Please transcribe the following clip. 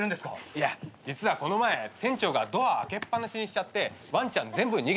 いや実はこの前店長がドア開けっ放しにしちゃってワンちゃん全部逃げちゃったんですよ。